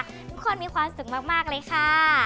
ทุกคนมีความสุขมากเลยค่ะ